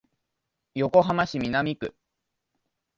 横浜市南区